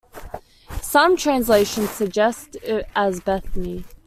Some translations suggest it as Bethany.